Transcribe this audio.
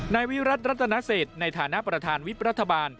นายวิรัติรัตนเศษในฐานะประธานวิบรัฐบาล